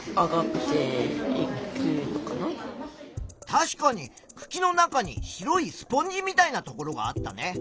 確かにくきの中に白いスポンジみたいなところがあったね。